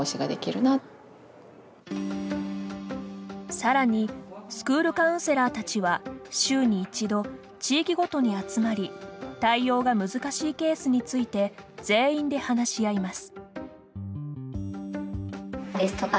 さらにスクールカウンセラーたちは週に一度、地域ごとに集まり対応が難しいケースについて全員で話し合います。